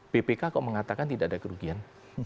bpk kok mengatakan tidak ada kerugian